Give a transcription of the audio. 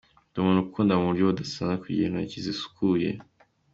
"Ndi umuntu ukunda mu buryo budasanzwe kugira intoki zisukuye.